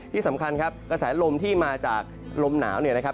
ที่สำคัญครับกระแสลมที่มาจากลมหนาวเนี่ยนะครับ